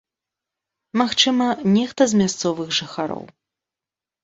Магчыма, нехта з мясцовых жыхароў.